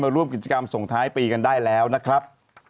ร่วมกิจกรรมส่งท้ายปีกันได้แล้วนะครับ